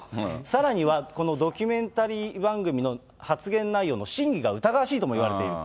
さらには、このドキュメンタリー番組の発言内容の真偽が疑わしいともいわれている。